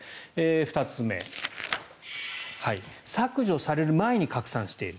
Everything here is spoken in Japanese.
２つ目削除される前に拡散している。